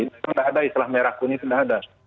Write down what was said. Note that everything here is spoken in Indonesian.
itu tidak ada istilah merah kuning tidak ada